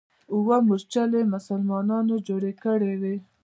اوه مورچلې مسلمانانو جوړې کړې وې.